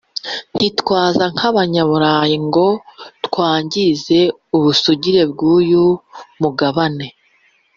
ntitwaza nk’Abanyaburayi ngo twangize ubusugire bw’uyu mugabane